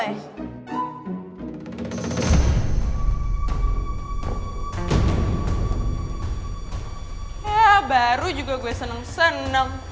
wah baru juga gue seneng seneng